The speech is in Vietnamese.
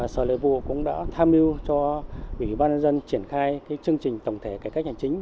sở lợi vụ cũng đã tham mưu cho ủy ban nhân dân triển khai chương trình tổng thể cải cách hành chính